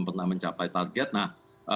pernah mencapai target nah